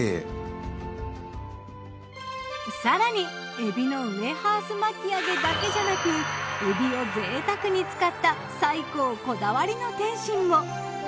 さらに海老のウエハース巻き揚げだけじゃなくエビをぜいたくに使った菜香こだわりの点心も。